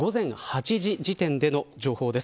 午前８時時点での情報です。